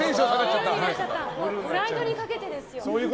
プライドにかけてですよね。